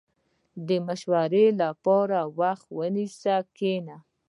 • د مشورې لپاره وخت ونیسه، کښېنه.